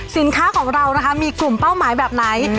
สินค้าของเรานะคะมีกลุ่มเป้าหมายแบบไหน